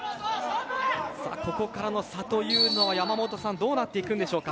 ここからの差というのはどうなっていくんでしょうか？